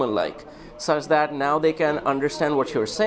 banyak perusahaan berkata itu sangat luar biasa